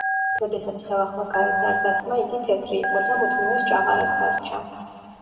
როდესაც ხელახლა გაეზარდა თმა, იგი თეთრი იყო და მუდმივად ჭაღარად დარჩა.